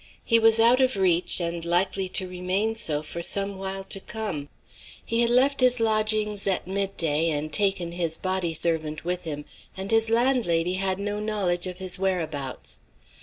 He was out of reach, and likely to remain so for some while to come. He had left his lodgings at mid day and taken his body servant with him, and his landlady had no knowledge of his whereabouts.